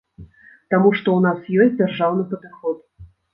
Таму што ў нас ёсць дзяржаўны падыход.